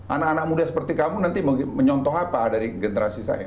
anak anak muda seperti kamu nanti menyontong apa dari generasi saya